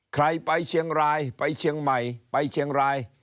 ใครไปเชียงรายไปเชียงใหม่ไปเชียงราย